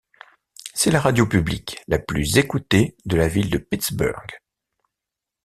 C'est la radio publique la plus écoutée de la ville de Pittsburgh.